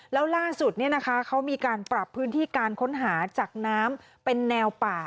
แล้วล่าสุดเขามีการปรับพื้นที่การค้นหาจากน้ำเป็นแนวป่า